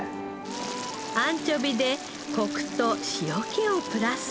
アンチョビでコクと塩気をプラス。